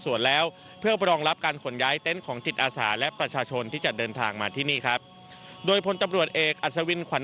หลังจากเวลา๒๑นาฬิกาของทุกวัน